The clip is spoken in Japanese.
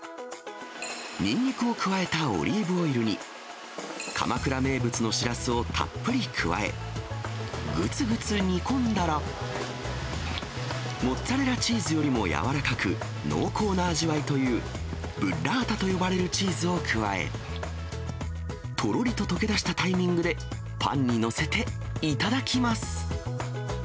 ニンニクを加えたオリーブオイルに、鎌倉名物のシラスをたっぷり加え、ぐつぐつ煮込んだら、モッツァレラチーズよりも柔らかく、濃厚な味わいという、ブッラータと呼ばれるチーズを加え、とろりと溶け出したタイミングで、パンに載せて頂きます。